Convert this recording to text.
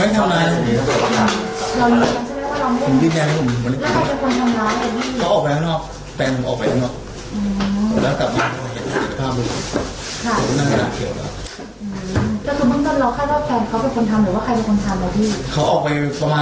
สักนิดนึงพ่อกันทีได้